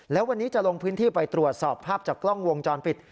และวันนี้จะลงพื้นที่ไปตรวจสอบภาพจากกล้องวงจรปิด